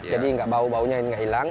jadi bau baunya ini tidak hilang